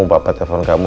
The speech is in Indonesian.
papa telfon kamu